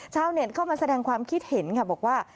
เน็ตเข้ามาแสดงความคิดเห็นค่ะบอกว่า